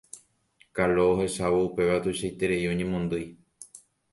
Kalo ohechávo upéva tuichaiterei oñemondýi